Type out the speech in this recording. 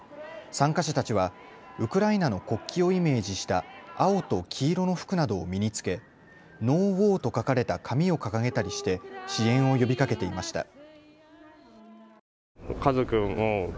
参加者たちはウクライナの国旗をイメージした青と黄色の服などを身に着けＮＯＷＡＲと書かれた紙を掲げたりして支援を呼びかけていました。